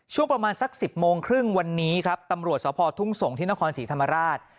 ช่วงประมาณสัก๑๐โมงครึ่งวันนี้ครับตำรวจสพทุ่งสงศ์ที่นครศรีธรรมราช